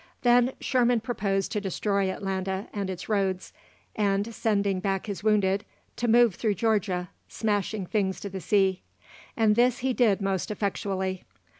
Then Sherman proposed to destroy Atlanta and its roads, and, sending back his wounded, to move through Georgia, "smashing things to the sea." And this he did most effectually.